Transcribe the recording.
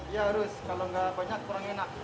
ya harus kalau nggak banyak kurang enak